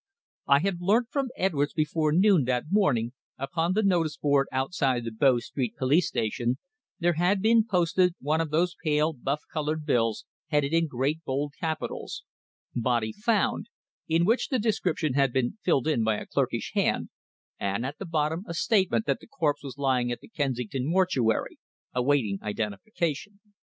I had learnt from Edwards that before noon that morning, upon the notice board outside Bow Street Police Station, there had been posted one of those pale, buff coloured bills headed in great, bold capitals: "Body found," in which the description had been filled in by a clerkish hand, and at the bottom a statement that the corpse was lying at the Kensington Mortuary awaiting identification.